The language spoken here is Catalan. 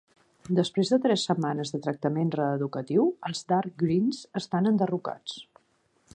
Després de tres setmanes de tractament re-educatiu, els Dark Greens estan enderrocats.